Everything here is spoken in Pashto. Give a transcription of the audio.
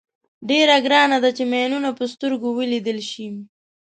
ډېره ګرانه ده چې ماینونه په سترګو ولیدل شي.